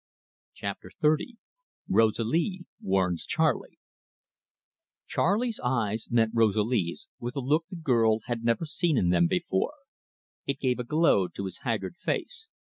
ROSALIE WARNS CHARLEY Charley's eyes met Rosalie's with a look the girl had never seen in them before. It gave a glow to his haggard face.